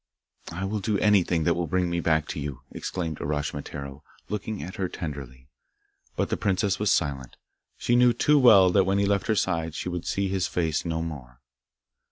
'I will do anything that will bring me back to you,' exclaimed Uraschimataro, looking at her tenderly, but the princess was silent: she knew too well that when he left her she would see his face no more.